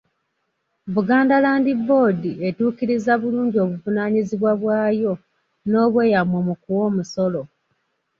Buganda Land Board etuukiriza bulungi obuvunaanyizibwa bwayo n’obweyamo mu kuwa omusolo.